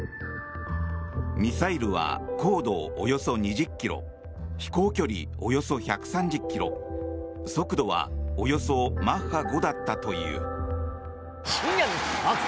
ミサイルは高度およそ２０ｋｍ飛行距離およそ１３０ｋｍ速度はおよそマッハ５だったという。